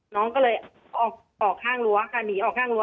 น้องก็เลยออกข้างรั้วค่ะหนีออกข้างรั้